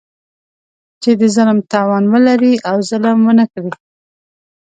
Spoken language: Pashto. چې د ظلم توان ولري او ظلم ونه کړي.